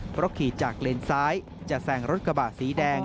เพราะขี่จากเลนซ้ายจะแซงรถกระบะสีแดง